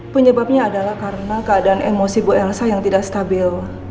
penyebabnya adalah karena keadaan emosi bu elsa yang tidak stabil